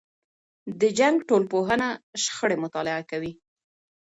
د جنګ ټولنپوهنه شخړې مطالعه کوي.